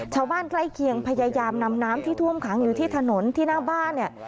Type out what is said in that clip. ชาวบ้านใกล้เคียงพยายามนำน้ำที่ท่วมขังอยู่ที่ถนนที่หน้าบ้านเนี่ย